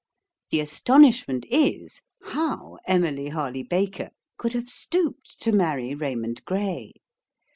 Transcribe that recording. The astonishment is, how Emily Harley Baker could have stooped to marry Raymond Gray.